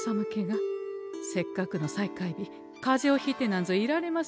せっかくの再開日かぜをひいてなんぞいられはっ